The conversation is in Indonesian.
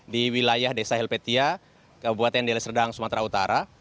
di wilayah desa helpetia kabupaten deleserdang sumatera utara